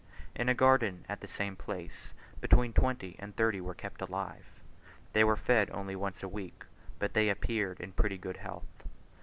In a garden at the same place, between twenty and thirty were kept alive. They were fed only once a week, but they appeared in pretty good health.